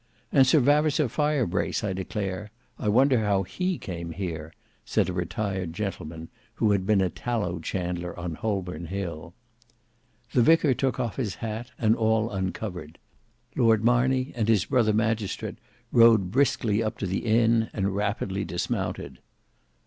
"And Sir Vavasour Firebrace, I declare. I wonder how he came here," said a retired gentleman, who had been a tallow chandler on Holborn Hill. The vicar took off his hat, and all uncovered. Lord Marney and his brother magistrate rode briskly up to the inn and rapidly dismounted.